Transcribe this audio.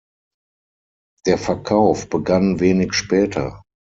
Der Verkauf begann wenig später.